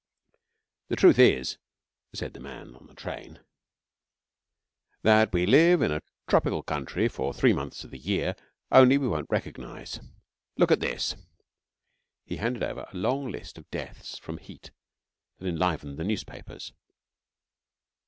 'The truth is,' said the man in the train, 'that we live in a tropical country for three months of the year, only we won't recognise. Look at this.' He handed over a long list of deaths from heat that enlivened the newspapers.